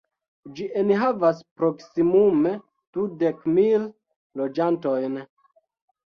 Ĝi enhavas proksimume dudek mil loĝantojn.